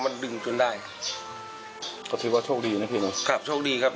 มันดึงจนได้เขาคิดว่าโชคดีนะพี่ครับโชคดีครับ